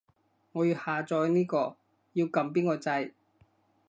我要下載呢個，要撳邊個掣